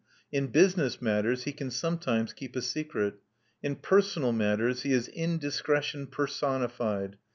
In business matters he can sometimes keep a secret. In personal matters he is indiscretion personified.